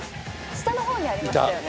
下の方にありましたよね？